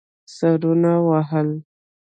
سرونه وهل.